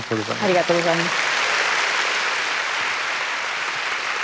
ありがとうございます。